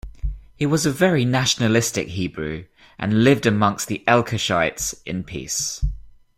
He was a very nationalistic Hebrew, and lived amongst the Elkoshites in peace.